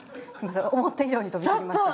思った以上に飛び散りました。